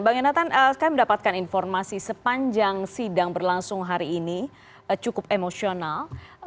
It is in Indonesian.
bang yonatan kami mendapatkan informasi sepanjang sidang berlangsung hari ini cukup emosional